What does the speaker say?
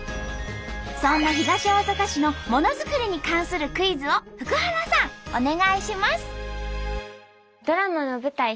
そんな東大阪市のモノづくりに関するクイズを福原さんお願いします！